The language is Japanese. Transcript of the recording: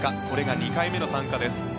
これが２回目の参加です。